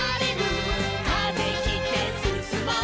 「風切ってすすもう」